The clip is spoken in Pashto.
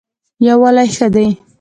یووالی ښه دی.